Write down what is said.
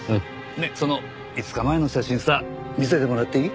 その５日前の写真さ見せてもらっていい？